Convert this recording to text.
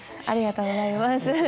ありがとうございます。